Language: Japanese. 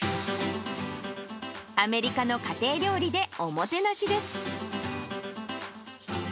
アメリカの家庭料理でおもてなしです。